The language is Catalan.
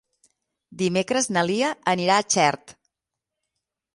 Dimecres na Lia anirà a Xert.